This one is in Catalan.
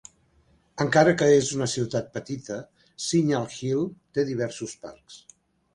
Encara que és una ciutat petita, Signal Hill té diversos parcs.